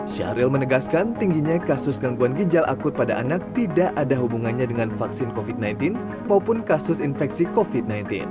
syahril menegaskan tingginya kasus gangguan ginjal akut pada anak tidak ada hubungannya dengan vaksin covid sembilan belas maupun kasus infeksi covid sembilan belas